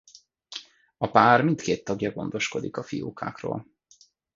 A pár mindkét tagja gondoskodik a fiókákról.